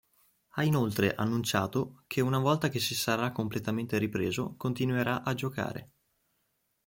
Ha inoltre annunciato che una volta che si sarà completamente ripreso continuerà a giocare.